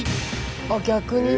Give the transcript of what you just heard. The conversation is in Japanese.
あっ逆にね！